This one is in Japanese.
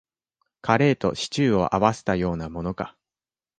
カレーとシチューを合わせたようなものか